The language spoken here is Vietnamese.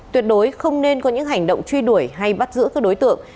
tuyệt đối không nên có những hành động truy đuổi hay bắt giữ các đối tượng